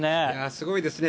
すごいですね。